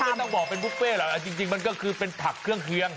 ไม่ต้องบอกเป็นบุฟเฟ่หรอกจริงมันก็คือเป็นผักเครื่องเคียง